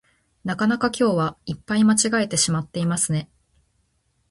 なかなか今日はいっぱい間違えてしまっていますね